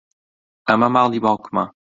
ئەمە ماڵی باوکمە.